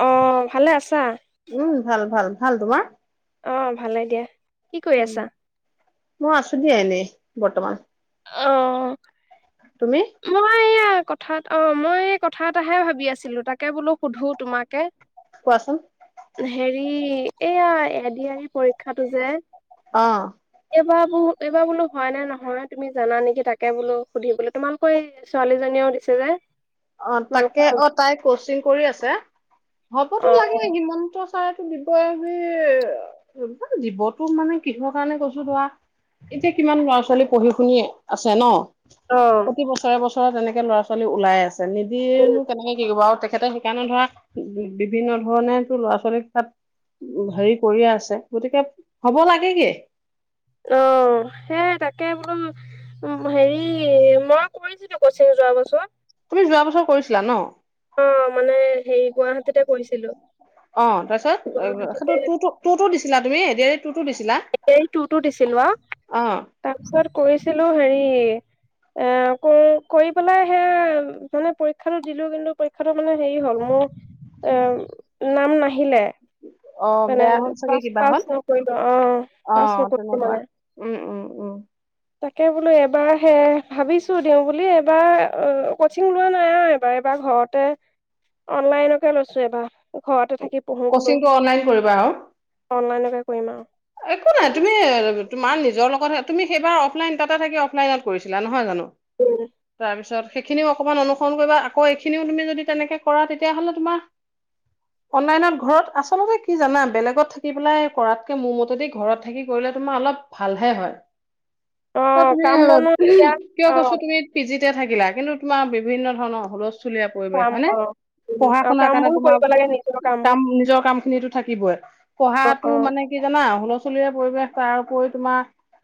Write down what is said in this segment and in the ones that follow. অ ভালে আছা উম ভাল ভাল ভাল তোমাৰ অ ভালে দিয়া কি কৰি উম, আছা মই আছো দ এনেই বৰ্তমান অ তুমি মই এয়া ক কথাত অ মই কথা এটাাহে ভাবি আছিলো তাক তাকে বোলো সুধো তোমাকেে কোৱাচোন ৰি এইয়া এড এ পৰীক্ষাটো যে অ এইবাৰ ব এইবাৰ বোলো হয় নে নহয় তুমি জানা নেকি তাকে বোলো সুধি বোলো তোমালোকৰ এই ছোৱালীজনীয়েও দিছে যে অ তাকে তোমালোকৰ অ তাই কচিং কৰি আছে হ'বতো অ লাগে সিমানন্ত ছাৰটো দিবই দিবতো মানে কিহৰ কাৰণে কৈছো ধৰা এতিয়া কিমান ল'ৰা ছোৱালী পঢ়ি শুনি আছে ন অ প্ৰতি বছৰে এবছৰ ওৰত যেনেে ল'ৰা ছোৱী লাই আছে চ দনো কেনেকে কি কৰিব তেখেতে শিকান ধৰা বিভিন্ন ধৰণো ল'ৰা ছোৱালীক তাত হেৰি কৰিয়ে আছে গতিকে হব লাগেগে অ সেই তাকে বোলো হেৰি মই কৰিছিলো কচিং যোৱা পাছত তুমি যোৱা বছৰ কৰিছিলা ন অ মানে হে গুৱাহাটীতে কৰিছিলো অ' গুৱাহাটীতে া [unintelligible] তুমি এদৰে এ টু ট দিছিলো অ অ' তাৰপিছত কৰিৈছিলো হেৰি এ ক কৰি পেলাই সেয়া মানে পৰীক্ষাটো দিলো কিন্তু পৰীক্ষাটো মানে হেৰি হ'ল মোৰ এ নাম নাহিলে অ' মানে বেয়া হ'ল চাগে পচ কিবা পচ হ'ল নকৰিল অ অ পাছ নকৰিলো তেনেকুৱা মানে উম উম উম তাকে বোলো এবাৰ সে ভাবিছো দিওঁ বুলি এইবাৰ কচিং লোৱা নাই আৰু এইবাৰ এইবাৰ ঘৰতে অনলাইনকে লৈছো এবাৰ ঘৰতে থাকি পঢ়ো বোলো কচিংটো অনলাইন কৰিবা আৰু অনলাইনকে কৰিম আৰু একো নাই তুমি তোমাৰ নিজৰ লগত তুমি সেইবাৰ অফলাইন তাতে থাকি অফলাইনত কৰিছিলা নহয় জানো। তাৰপিছত সেইখিনিও অকমান অনুসৰণ কৰিবা আকৌ এইখিনিও তুমি যদি তেনেকে কৰা তেতিয়াহলে তোমাৰ অনলাইনত ঘৰত আচলতে কি জানা বেলেগত থাকি পেলাই কৰাতকে মোৰ মতে যদি ঘৰত থাকি কৰিলে তোমাৰ অলপ ভালহে হয়। অ ত তুমি কাম বনো তেতিয়া কিয় অ কৈছো তুমি পি জিত থাকিলা কিন্তু তোমাৰ বিভিন্ন ধৰণৰ হুলস্থ চুলীয়া পৰিৱেশ কাম হয়নে। অ উম পঢ়া আৰু শুনাৰ কাম কাৰণে বোৰো তোমাৰ কৰিব লাগে নিজৰ কামবোৰ কাম নিজৰ কাম খিনিতো থাকিবই অ পঢ়াতো অ মানে কি জানা পচলীয়া পৰিৱেশ তাৰ ওপৰি তোমাৰ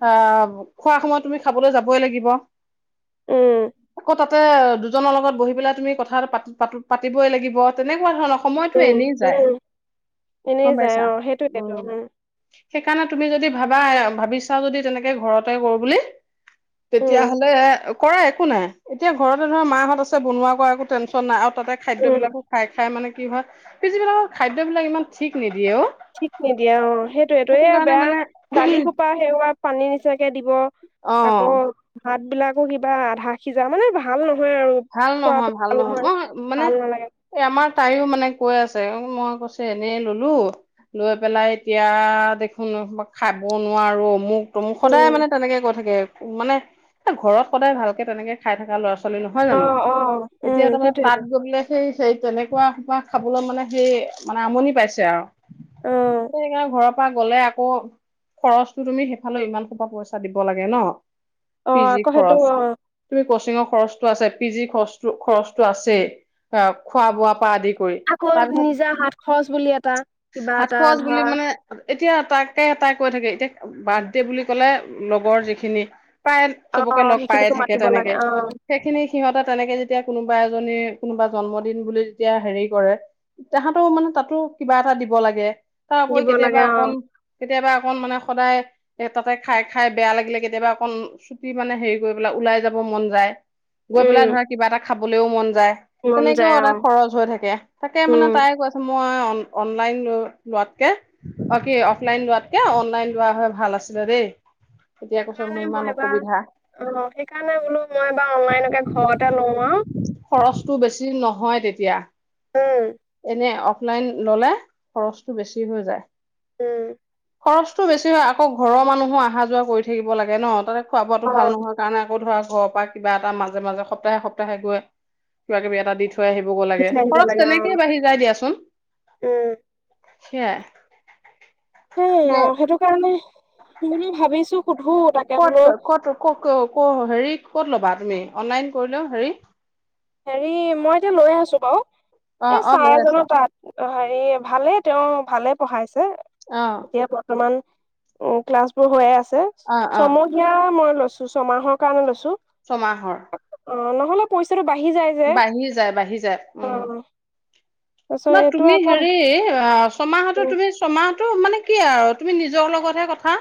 আহ খোৱা সময়ত তুমি খাবলৈ যাবই লাগিব। উম কত তাতে দুজনৰ লগত বহি পেলাই তুমি কথাা পাতিবই লাগিব তেনেকুৱা ধৰণৰ সময়টো উ এনেই যায় এনে গম যায় পাইছা অ সেইটোৱেতো উম। [unintelligible] সেইকাৰণে তুমি যদি ভাবা ভাবিছা যদি তেনেকে ঘৰতে কৰো বুলি উম তেতিয়াাহলে কৰা একো নাই এতিয়া ঘৰতে ধৰা মাহঁত আছে বনোৱা কৰা একো টেনশ্যন নাই আৰু তাতে খাদ্য উম বিলাকো খাই খাই মানে কিহত পি জি বিলাকত খাদ্য বিলাক ইমান ঠিক নিদিয়ে অ। ঠিক নিদিয়ে অ। সেইটোয়টো সেইটো এ কাৰণে বেয়া মানে দালি খোপা সেওাত পানী নিচিনা দিব অ আকৌ ভাত বিলাকো কিবা আধা সিজা মানে ভাল নহয় আৰু ভাল নহয় খোৱাটো ভাল নহয় মই মানে ভাল নালাগে এই আমাৰ তাইও মানে কৈ আছে মই কৈছো এনেই ললো লৈ পেলাই এতিয়া দেখোন খাব নোৱাৰো মোক তমোক সদায় উম মানে তেনেকে কৈ থাকে। মানে ঘৰত সদায় ভালকে তেনেকে খাই থকা ল'ৰা ছোৱালী নহয় অ জানো অ উম এতিয়া তাৰমানে তাত সেইটোয়েতো গলে সেই সেই তেনেকুৱা মোপা খাবলৈ মানে সেই মানে আমনি পাইছে আৰু। অ মেইয়া ঘৰত পৰা গলে আকৌ খৰচো তুমি সেইফালে ইমান সোপা পইচা দিব লাগে ন। অ পি জি আকৌ সেইটো খৰচ অ তুমি কোচিংৰ খৰচ। আছে পিজি খৰচ খৰচটো আছে আ খোৱা বোৱা পৰা আদি কৰি আাকৌ তাৰপিছত নিজা হাত খৰচ বুলি এটা কিবা হাত এটা খৰচ বুলি ধৰা মানে এতিয়া তাকে টাই কৈ থাকে এতিয়া বাৰদে বুলি কলে লগৰ যিখিনি প্ৰায় অ চবকে লগ পায়ে সেইখিনিকো থাকে মাতিব লাগে তেনেকে অ সেইখিনি সিহঁতে তেনেকে যেতিয়া কোনো কোনোবা এজনী কোনোবা জন্মদিন বুলি যেতিয়া হেৰি কৰে তাহাঁতো মানে তাতো কিবা এটা দিব লাগে তাৰ উপৰি দিব লাগে কেতিয়াবা অ অকন কেতিয়াবা অকণ মানে সদায় এ তাতে খাই খাই বেয়া লাগিলে কেতিয়াবা অকণ ছুটি মানে হেৰি কৰি পেলাই ওলাই যাব মন যায় গৈ পেলাই উম ধৰা কিবা এটা খাবলৈও মন যায় মন তেনেকেও যায় অ এটা খৰচ হৈ থাকে তাকে মানে উম তাই কৈছে মই অনলাইন লো লোৱাতকে অ কি অফলাইন লোৱাতকে অনলাইন লোৱা হৈ ভাল আছিলে দেই তেতিয়া কৈছে মোৰ সেইকাৰণে ইমান মই এবাৰ অসুবিধা অ সেইকাৰণে বোলো মই এইবাৰ অনলাইনকে ঘৰতে লওঁ আৰু খৰচটো বেছি নহয় তেতিয়া উম এনে অ লাইন ললে খৰচটো বেছি হৈ যায় উম খৰচটো বেছি হয় আকৌ ঘৰৰ মানুহো অহা যোৱা কৰি থাকিব লাগে ন তাতে খুৱাবাতো অ ভাল নহয় কাৰণে আকৌ ধৰা ঘৰ পৰা কিবা এটা মাজে মাজে সপ্তাহে সপ্তাহে গৈ কিবা কিবি এটা দি থ থৈ আহিবগৈ লাগে বিচাৰি আহিব খৰচ লাগে অ তেনেকেই বাঢ়ি যায় দিয়াচোন উম সেয়াই সেইয়া দিয়া সেইটো কাৰণে বোলো ভাবিছো সুধো তাকে ক'ত বোলো ক'ত ক ক ক হেৰি ক'ত ল'বা তুমি অনলাইন কৰিলেও হেৰি হেৰি মই এতিয়া লৈ আছো বাৰু অ এ অ চাৰ লৈ আছা এজনৰ তাত অ হেৰি ভালে তেওঁ ভালে পঢ়াইছে ছে অ এতিয়া বৰ্তমান উ ক্লাছ বোৰ হৈয়ে আছে অ যে অ ছমহীয়া মই ছো ছমাহৰ কাৰণে লৈছোঁ ছমাহৰ অ নহ'লে পইচাকে বাঢ়ি যায় বাঢ়ি যায় উম অ তাৰপিছত ন এইটো তুমি আকৌ হেৰি অ ছমাহতো তুমি ছমাহ টো মানে কি আৰু তুমি নিজৰ লগতহে কথা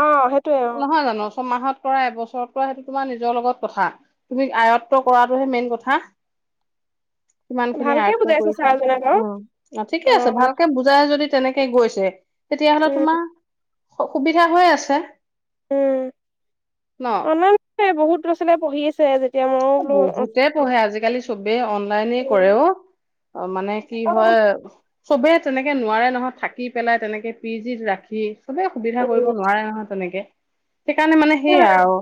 অ সেইটোয়ে অ নহয় জানো ছমাহত কৰা এবছৰত কৰা সেইটো তোমাৰ নিজৰ লগত কথা তুমি আয়ত্ব কৰা টোহে মেইন কথা কিমান খিনি ভালকে আয়ত্ত বুজাইছে কৰিছা ছাৰজনে বাৰু উম, অ ঠিকে আছে ভালকে বুজাই যদি তেনেকেই গৈছে। তেতিয়াহ'লে উম তোমাৰ সু-সুবিধা হৈ আছে। উম, ন অ', নাই নাই বহুত ছিলে পঢ়ি আছে যেতিয়া মইও বোলো বহুতে পঢ়ে আজিকালিচ চবে অন লাইনে কৰে অ'। অ', মানে কি অ হয় চবে তেনেকে নোৱাৰে নহয় থাকি পেলাই, তেনেকে পি জি ত ৰাখি। চবেই সুবিধা কৰিব উম নোৱাৰে নহয় তেনেকে। সেইকাৰণে মানে সেইয়া সেইয়াই আৰু।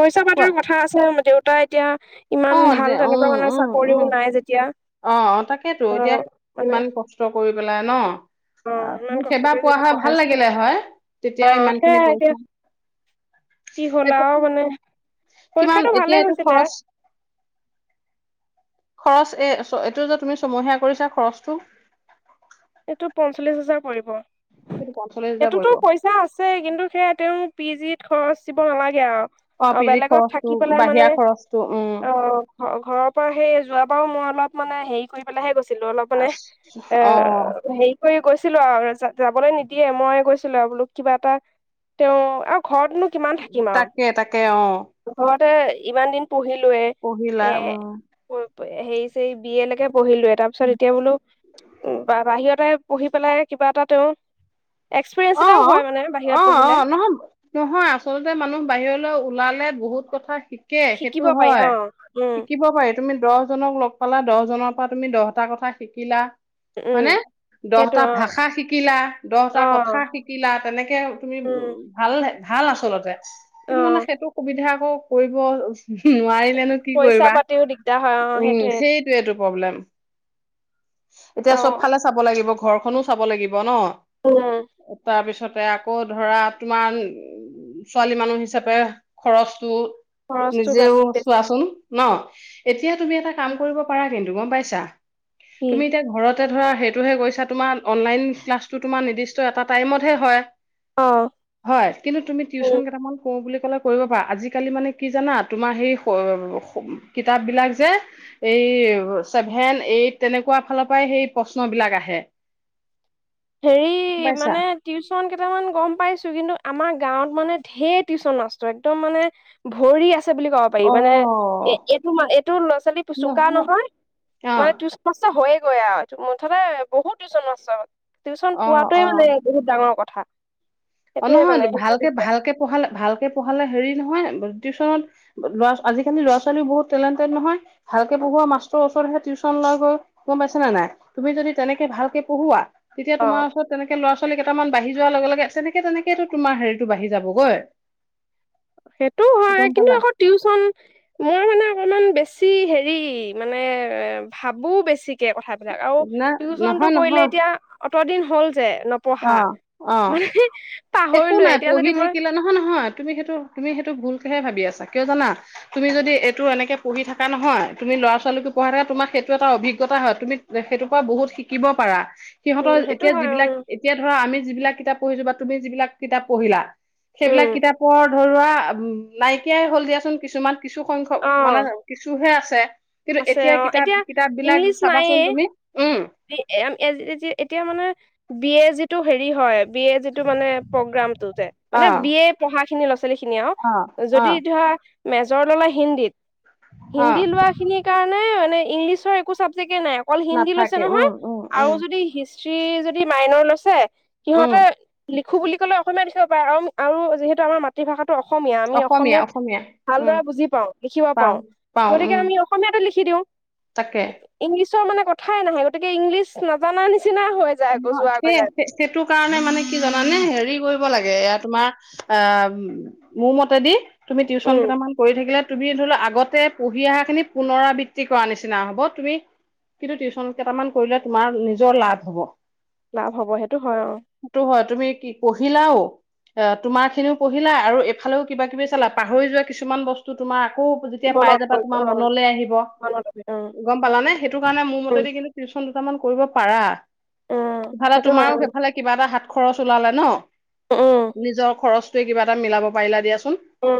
পইচা কোৱা পাতিৰো কথা আছে, মো দেইত তই এতিয়া ইমান অ' ভাল দে, তেনেকুৱা অ', মানে অ', চাকৰিও অ', নাই যেতিয়া অ', অ' তাকেইতো, অ এতিয়া মানে ইমান কষ্ট কৰি পেলাই ন'? অ', ইমান তুমি কষ্ট সেইবাৰ কৰি পোৱা যেতিয়া হয় ভাল পঢ়াইছিলে লাগিলে হয়, অ তেতিয়াও ইমান খিনি সেয়াই এতিয়া পইচা কি হ'ল আৰু মানে কিমান, পৰীক্ষাটো এতিয়া ভালেই এইটো হৈছিলে খৰচ? খৰচ, এ-ছ-এইটো যে তুমি ছমহীয়া কৰিছা খৰচটো? এইটো পঞ্চল্লিশ হাজাৰ পৰিব। এইটো পঞ্চল্লিশ হাজাৰ এইটোতো পৰিব পইচা আছে, কিন্তু সেয়া তেওঁ পি জি ত খৰচ দিব নালাগে আৰু। অ', পিজিত বেলেগত থাকি খৰচটো, বাহিৰা খৰচটো, উম। ঘৰ-ঘৰৰ পৰা সেই যোৱবাৰো মই অলপ মানে হেৰি কৰি পেলাইহে গৈছো। ছিলো অলপ মানে, আছ- এ অ হেৰি কৰি গৈছিলো আৰু, যাবলৈ নিদিয়ে, মই গৈছিলো আৰু বোলো, কিবা এটা তেওঁ, আৰু ঘৰতনো কিমান তাকে, তাকে, অ'। এ, ইমান দিন পুহিলোৱেই, পঢ়িলা এ উম হেৰি চেৰি, বি এ লেকে পঢ়িলোৱে, তাৰ পিছত এতিয়া বোলো উম বা বাহিৰতে পঢ়ি পেলাই, কিবা এটা তেওঁ এক্সপিৰিয়েঞ্চ এটাও অ', হয় মানে বাহিৰত অ' পঢ়িলে অ', নহ-নহয় আচলতে মানুহ বাহিৰলৈ ওলালে বহুত কথা শি শিকে শিকিব সেইটো পাৰি হয়, অ উম শিকিব পাৰি। তুমি দহজনক লগ পালা দহজনৰ পৰা তুমি দহটা কথা শিকিলা, উম হয়নেে সেইটো দহটা অ ভাষা শিকিলা, দহটা অ কথা -থা শিকিলা তেনেকে তুমি উ, উম ভালহে। ভাল আচলতে। অ কিন্তু মানে সেইটো সুবিধা টো কৰিব নোৱাৰিলে, পইচা পাতিও দিগদাৰ হয়। অ সেইটোয়েই। সেইটোৱেটো প্ৰব্লেম, অ এতিয়া চব ফালে চাব লাগিব ঘৰখনো চাব লাগিব ন! অ। তাৰপিছতে আকৌ ধৰা তোমাৰ, উ ছোৱালী মানুহ হিচাপে খৰচটো, খৰচটো নিজেও বাছি বেছি চোৱাচোন। ন। এতিয়া তুমি এটা কাম কৰিব পাৰা কিন্তু, গম পাইছা। কি তুমি এতিয়া ঘৰত ত ধৰা সেইটোহে গৈছা, তোমাৰ অনলাইন ক্লাছটো, তোমাৰ নিৰ্দিষ্ ষ্ট এটা টাইমত হে হয়। অ হয়, কিন্তু তুমি টিউচন উম কেইটামান কৰোঁ বুলি কালে কৰিব পাৰা, আজালি মানে কি জানা? তোমাৰ হেৰি স, কিতাপ বিলাক যে, এই চেভেন এইট তেনেকোৱা ফালৰ পৰাই হেৰি প্ৰশ্ন বিলাক আহে। হেৰি, গম পাইছা? মানে টিউশচন কেইটামান গম পাইছো, কিন্তু আমাৰ গাঁৱত মানে ঢেৰ টিউচন মাষ্টৰ, এক্দম মানে ভৰি আছে বুলি ক'ব পাৰি। মানে, অ', এইটো এইটো ল'ৰা ছোৱালী চোকা নহয়, মানে অ'। টিউচন মাষ্টৰ হৈয়ে গৈ আৱ এইটো, মুঠতে বহুত টিউচন মাষ্টৰ। টিউশন অ', পোৱাটোৱে অ'। মানে বহুত ডাঙৰ কথা। -থা। অ নহয়, ভালকে ভালকে পঢ়ালে, ভাল কে পঢ়ালে হেৰি নহয়, টিউচনত ল'ৰা, আজিকালি ল'ৰা ছোৱালীও বহুত টেলেণ্টেড নহয়, ভালকে পঢ়োৱা মাষ্টৰৰ ওচৰতহে টিউচন লয় গৈ। গম পাইছে নে নাই, তুমি যদি তেনেকে ভালকে পঢ়োওৱা, তেতিয়া তোমাৰ অ ওচৰত তেনেক ল'ৰা ছো ছোৱালী কেইটামান বাঢ়ি যোৱাৰ লগে লগে আছেনে তেনে তেনেকে তোমাৰ হেৰিটো বাঢ়ি যাবগৈ সেইটো হয় গম কিন্তু পালা আকৌ টিউচন মই মানে অকমান বেছি বেছি হেৰি মানে এ ভাবো বেছি কথাবিলাক আৰু না টিউচন টো নহয় কৰিলে নহয় এতিয়া অত দিন হল যে অ নপঢ়া অ মানে একো পাহৰিলোৱে নাই এতিয়া পঢ়ি যদি মই থাকিলে নহয় নহয় তুমি সেইটো তুমি সেইটো ভুলকেহে ভাবি আছা কিয় জানা তুমি যদি এইটো এনেকে পঢ়ি থাককা নহয় তুমি লৰা ছোৱালীকো পঢ়া থাকা তোমাৰ সেইটো এটা অভিজ্ঞতা হয় তুমি সেইটোৰ পৰা বহুত শিকিব পাৰা উম সিহঁতৰ সেইটো এতিয়া হয় যিবিলাক উম ধৰা আমি যিবিলাক কিতাপ পঢ়িছোঁ বা তুমি যিলাক কিতাপ পঢ়িলা উম সেইবিলাক কিতাপত ধৰ উ নাইকিয়াই হ'ল দিয়াচোন কিছুমান কিছু অ সংখ্যক মানে কিছুহে আছে আ কিন্তু আছে এতিয়া অ কিতাপ কিতাপ বিলাক ইংলিছ চাবাচোন নাইয়ে তুমি উম এতিয়া মানে বিয় যিটো হেৰি হয় বিয় যিটো মানে প্ৰগ্ৰাম টো যে অ মানে বিয়ে পঢ়া খিনি াল খিনি আৰু অ অ যদি ধৰা মেজৰ ল'লে হিন্দীত অ হিন্দী লোৱা খিনিৰ কাৰণে ইংলিচৰ একো চাবজেক নাই অকল হিন্দী লৈছে নাথাকে উম উম উম স্ত্ৰী যদি মাইনৰ লৈছে উম সিহঁতে খু বুলি ক'লে অসমীয়া দেখিব পাৰে আৰু যিহেতু আমাৰ মাতৃভাষা অসমীয়া আমি অসমীয়া অসমীয়াত অসমীয়া উম ভালদৰে বুজি পাওঁ লিখিব পাওঁ পাওঁ গতিকে উম আমি অসমীয়াতো লিখি দিওঁ তাকে ইংলিছ মানে কথা া [unintelligible] ই নাহে গতিকে ইংলিছ নাজানা নিচনা অ সেই সেইটো কাৰণে মানে কি জানে হেৰি কৰিব লাগে এয়া তোমাৰ অ মোৰ মতেদি তুমি টিউশন উম কেইটামান কৰিথাকিলে তুমি ধৰি লও আগতে পঢ়ি অহা খিনি পুনৰাবৃত্তি কৰা নিচিনা হব তুমি কিন্তু টিউশচন কেইটামান কৰিলে তোমাৰ নিজৰ লাভ হব লাভ হ'ব সেইটো হয় আৰু। সেইটো হয় তুমি কি পঢ়িলাও অ', তোমাৰ খিনিও পঢ়িলা আৰু এফালেও কিবা কিবি চালা পাহৰি যোৱা কিছুমান বস্তু তোমাৰ আকৌ যেতিয়া পাই মনত যাবা পৰি তোমাৰ অ মনলৈ আহিব মনত উম গম পালানে সেইটো কাৰণে মোৰ উম মতেদি কিন্তু টিউচন টামান কৰিব পাৰা। উম ইফালে সেইটো হয় তোমাৰো সেইফালে কিবা এটা হাত খৰচ ওলালে ন'। উম নিজৰ খৰচ ত' কিবা এটা মিলাব পাৰিলা দিয়া উম,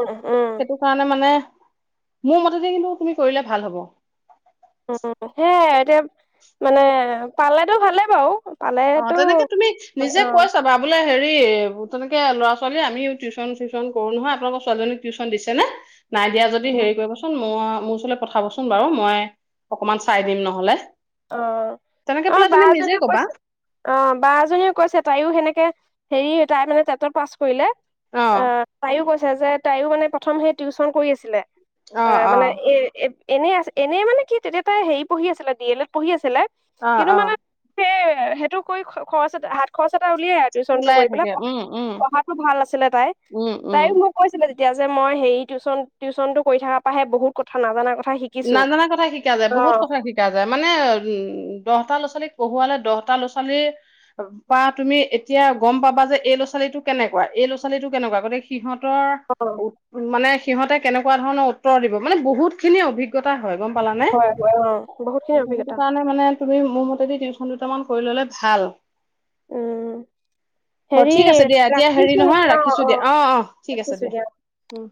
উম উম। সেইটো কাৰণে মানে মোৰ মতেদি কিন্তু, তুমি কৰিলে ভাল হ'ব। তিয়া মানে, পালেতো ভালে বাৰু। অ', পালেতো তেনেকে তুমি নিজে অ', কৈ চাবা। বোলে হেৰি, ব, তেনেকে ল'ৰা ছোৱালী আমিও টিউচন-চিউচন কৰোঁ নহয়, আপোনালোকৰ ছোৱালীজনীক টিউচন দিছে নে? নাই দিয়া যদি উম, হেৰি কৰিবচোন, মোৰ আৰু মোৰ ওচৰলৈ পঠাবচোন বাৰু মই, অকমান চাই দিম নহ'লে। অ', তেনেকে অমাৰ পেলাই বা তুমি নিজে জনীয়েও কবা কৈছে অ', বা এজনীও কৈছে। তাইও সেনেকে, হেৰি তাই মানে টেটত পাছ কৰিলে। অ আ, তাইও কৈছে যে তাইও মানে প্ৰথম সেই টিউচন কৰি আছিলে। অ', মানে এ-এই এনেই আছে, এনেই মানে কি, তেতিয়া তাই হেৰি পঢ়ি আছিলে, ডি এল এড। পঢ়ি আছিলে। অ', অ'। সেইয়াই আৰু, সেইটো কৰি খ-খৰচ এট, হাত খৰচ তই ওলিয়া, টিউচনটো ওলাই কৰি পেলায়, থাকে উম উম প-পঢ়াটো ভাল আছিলে তাই। উম, উম। তাইও মোক কৈছিলে এতিয়া যে মই হেৰি টিউচন, টিউচনটো কৰি থকা পাহে বহুত কথা, নাজান কথ নাজানা কথা শিকা যায়, বহুত কথা শিকা যায়। মানে উম, দহটা ল'ৰা-ছোৱালীক পঢ়োৱালে, দহটা ল'ৰা-ছোৱালীৰ পৰা তুমি এতিয়া গ'ম পাবা যে, এই ল'ৰা ছোৱালীটো কেনেকুৱা, এই ল'ৰা ছোৱালীটো কেনেকুৱা। গতিকে সিহঁত অ', [unintelligible] মানে সিহঁতে কেনেকুৱা ধৰণৰ উত্তৰ দিব, মানে বহুতখিনি অভিজ্ঞ টা। হয়, গ'ম পালনে? হয়, হয়, অ', বহুতখিনি সে-সেইটো অভিজ্ঞতা কাৰণে মানে তুমি, মোৰ মতেদি টিউচনটো বৰ্তমান কৰি ল'লে ভাল। উম, অ', হেৰি ঠিক আছে দিয়া। এতিয়া হেৰি নহয়, ৰাখিছোঁ দিয়া। অ', অহ। ঠিক আছে দিয়া, উম।